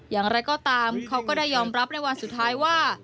อย่างไรก็ตามเขาก็ได้ยอมรับในวันสุดท้ายว่า